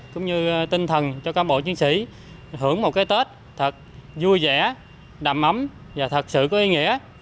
cũng như tinh thần cho cán bộ chiến sĩ hưởng một cái tết thật vui vẻ đầm ấm và thật sự có ý nghĩa